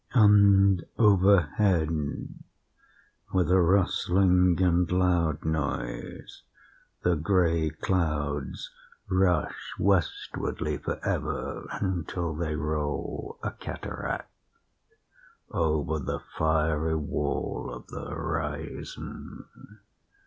And overhead, with a rustling and loud noise, the gray clouds rush westwardly forever, until they roll, a cataract, over the fiery wall of the horizon.